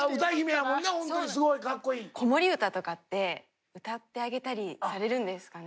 子守唄とかって歌ってあげたりされるんですかね。